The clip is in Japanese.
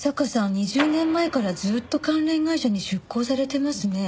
２０年前からずっと関連会社に出向されてますね。